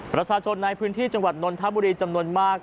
ประชาชนในพื้นที่จังหวัดนนทบุรีจำนวนมาก